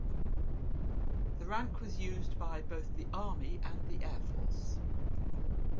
The rank was used by both the Army and the Air Force.